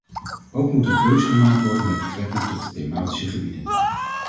Ook moet er keus gemaakt worden met betrekking tot de thematische gebieden.